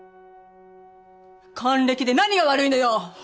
還暦で何が悪いのよ！